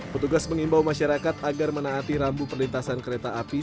petugas mengimbau masyarakat agar menaati rambu perlintasan kereta api